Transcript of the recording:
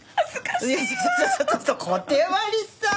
ちょちょちょちょっとこてまりさん！